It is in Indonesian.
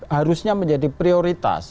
harusnya menjadi prioritas